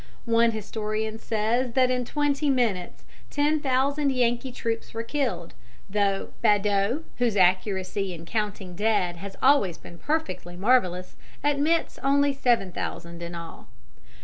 One historian says that in twenty minutes ten thousand Yankee troops were killed; though Badeau, whose accuracy in counting dead has always been perfectly marvellous, admits only seven thousand in all.